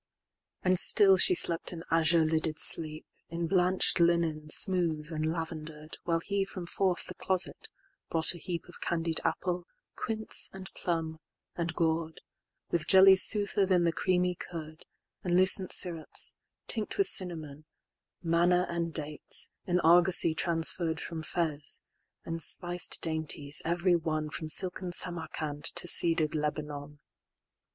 XXX.And still she slept an azure lidded sleep, In blanched linen, smooth, and lavender'd, While he from forth the closet brought a heapOf candied apple, quince, and plum, and gourd; With jellies soother than the creamy curd, And lucent syrops, tinct with cinnamon; Manna and dates, in argosy transferr'dFrom Fez; and spiced dainties, every one, From silken Samarcand to cedar'd Lebanon.